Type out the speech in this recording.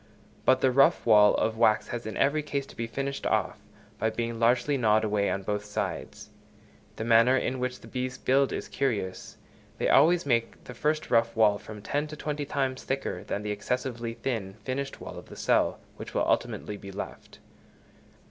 But the rough wall of wax has in every case to be finished off, by being largely gnawed away on both sides. The manner in which the bees build is curious; they always make the first rough wall from ten to twenty times thicker than the excessively thin finished wall of the cell, which will ultimately be left.